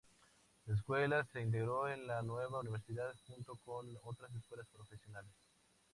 La escuela se integró en la nueva universidad, junto con otras escuelas profesionales.